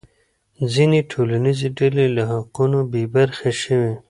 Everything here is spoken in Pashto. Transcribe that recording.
ځینې ټولنیزې ډلې له حقونو بې برخې شوې.